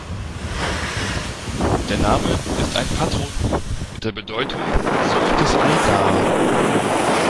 Der Name ist ein Patronym mit der Bedeutung "Sohn des Einar".